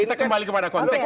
kita kembali kepada konteks